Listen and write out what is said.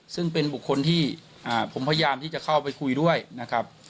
ซึ่งเป็นบุคคลที่ผมพยายามที่จะเข้าไปคุยด้วยนะครับ